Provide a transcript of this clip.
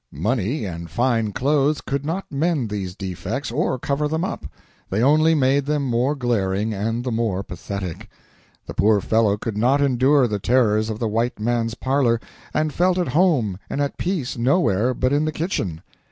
Money and fine clothes could not mend these defects or cover them up; they only made them the more glaring and the more pathetic. The poor fellow could not endure the terrors of the white man's parlor, and felt at home and at peace nowhere but in the kitchen.